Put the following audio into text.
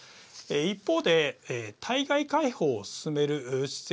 一方で対外開放を進める姿勢